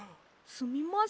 すみません。